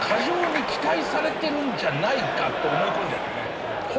て思い込んじゃうんだよね。